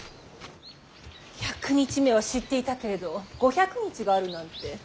百日目は知っていたけれど五百日があるなんて。